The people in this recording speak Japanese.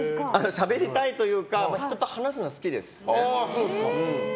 しゃべりたいというか人と話すのは好きですね。